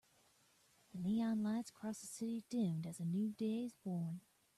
The neon lights across the city dimmed as a new day is born.